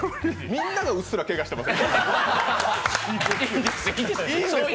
みんながうっすら、けがしてます。